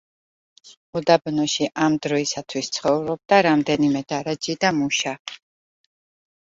უდაბნოში ამ დროისათვის ცხოვრობდა რამდენიმე დარაჯი და მუშა.